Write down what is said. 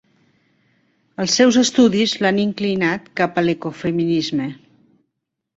Els seus estudis l'han inclinat cap a l'ecofeminisme.